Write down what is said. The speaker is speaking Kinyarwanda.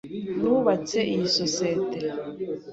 Nubatse iyi sosiyete.